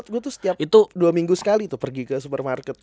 gue tuh setiap itu dua minggu sekali tuh pergi ke supermarket